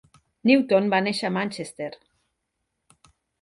Newton va néixer a Manchester.